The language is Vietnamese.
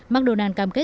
mcdonald s cao cơ hội